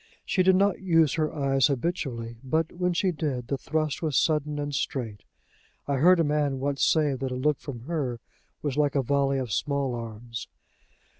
She did not use her eyes habitually, but, when she did, the thrust was sudden and straight. I heard a man once say that a look from her was like a volley of small arms.